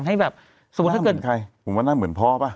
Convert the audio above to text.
น่าเหมือนใครโบนว่าน่าเหมือนพ่อปะ